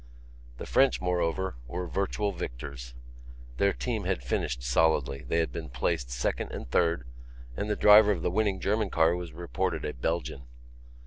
The French, moreover, were virtual victors. Their team had finished solidly; they had been placed second and third and the driver of the winning German car was reported a Belgian.